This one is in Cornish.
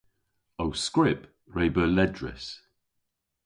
Ow skrypp re beu ledrys.